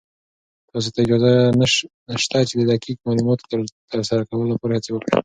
تاسې ته اجازه شته چې د دقيق معلوماتو تر سره کولو لپاره هڅې وکړئ.